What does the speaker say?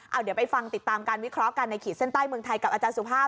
เอาเดี๋ยวไปฟังติดตามการวิเคราะห์กันในขีดเส้นใต้เมืองไทยกับอาจารย์สุภาพ